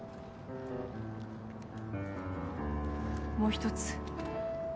もう一つ。